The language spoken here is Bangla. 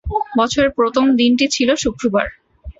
বছরের প্রথম দিনটি ছিল শুক্রবার।